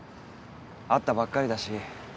会ったばっかりだし